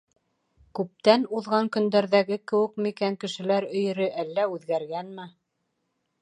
— Күптән уҙған көндәрҙәге кеүек микән кешеләр өйөрө, әллә үҙгәргәнме?